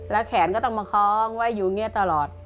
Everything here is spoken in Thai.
แล้วแขนก็ต้องมาค้องไว้อยู่เงียดตลอด